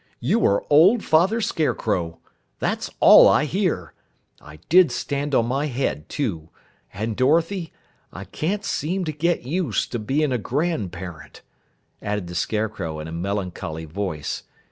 "'You are old, Father Scarecrow!' That's all I hear. I did stand on my head, too. And Dorothy, I can't seem to get used to being a grandparent," added the Scarecrow in a melancholy voice.